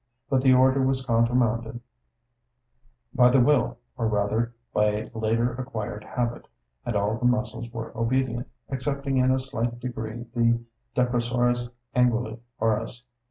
But the order was countermanded by the will, or rather by a later acquired habit, and all the muscles were obedient, excepting in a slight degree the depressores anguli oris.